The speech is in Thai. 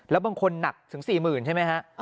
แล้วบางคนหนักถึง๔๐๐๐ใช่ไหมฮะ